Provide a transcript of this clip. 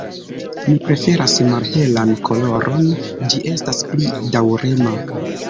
Mi preferas malhelan koloron, ĝi estas pli daŭrema.